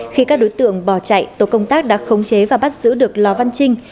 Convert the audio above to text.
khi các đối tượng bỏ chạy tổ công tác đã khống chế và bắt giữ được lò văn trinh